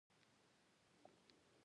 بهلول وویل: بیا چټلېږي.